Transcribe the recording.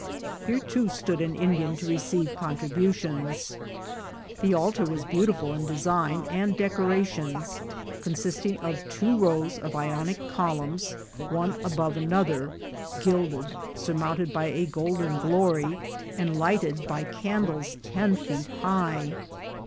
Here, too, stood an Indian to receive con tributions. The altar was beautiful in design and dec orations, consisting of two rows of Ionic columns, one above another, gilded, surmounted by a golden glory, and lighted by candles ten feet high.